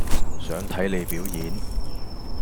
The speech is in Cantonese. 想睇你表演